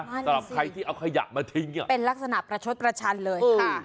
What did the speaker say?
สำหรับใครที่เอาขยะมาทิ้งเป็นลักษณะประชดประชันเลยค่ะ